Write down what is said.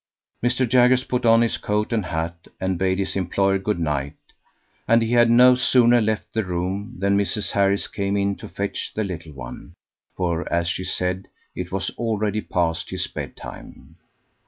Mr. Jaggers put on his coat and hat, and bade his employer good night, and he had no sooner left the room than Mrs. Harris came in to fetch the little one, for, as she said, "it was already past his bedtime."